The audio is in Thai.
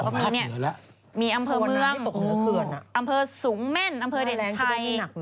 อำเภอนี้มีอำเภอเมืองอำเภอสูงเม่นอำเภอเด่นชัย